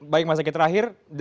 baik mas zaky terakhir